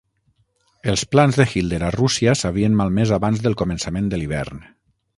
Els plans de Hitler a Rússia s'havien malmès abans del començament de l'hivern.